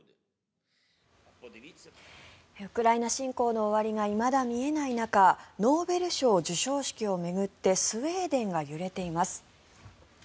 ウクライナ侵攻の終わりがいまだ見えない中ノーベル賞授賞式を巡ってスウェーデンが揺れています。